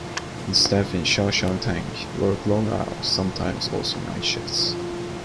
The staff in a "cha chaan teng" work long hours, sometimes also night shifts.